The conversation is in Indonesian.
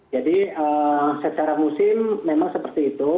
jadi secara musim memang seperti itu